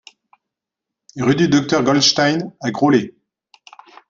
Rue du Docteur Goldstein à Groslay